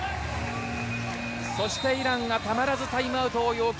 そしてイランがたまらずタイムアウトを要求。